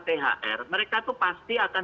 thr mereka tuh pasti akan